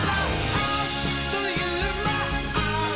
あっというまっ！」